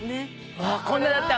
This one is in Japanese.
こんなだった。